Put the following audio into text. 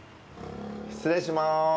失礼します。